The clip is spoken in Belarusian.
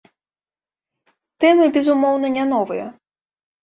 Тэмы, безумоўна, не новыя.